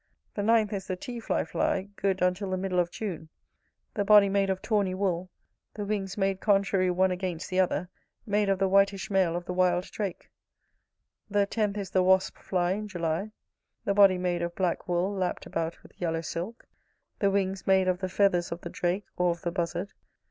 The ninth is the tawny fly, good until the middle of June: the body made of tawny wool; the wings made contrary one against the other, made of the whitish mail of the wild drake. The tenth is the wasp fly in July; the body made of black wool, lapt about with yellow silk; the wings made of the feathers of the drake, or of the buzzard.